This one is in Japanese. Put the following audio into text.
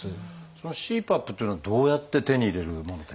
そのＣＰＡＰっていうのはどうやって手に入れるものでしょう？